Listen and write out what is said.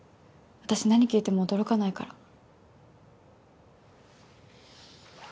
私何聞いても驚かないから。